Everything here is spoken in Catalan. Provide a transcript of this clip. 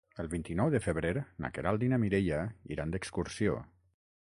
El vint-i-nou de febrer na Queralt i na Mireia iran d'excursió.